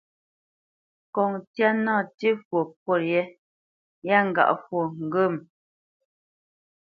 Ŋkɔŋ ntsyá nâ ntī fwo pôt yɛ́, yâ ŋgâʼ fwo ŋgəmə.